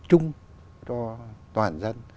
chung cho toàn dân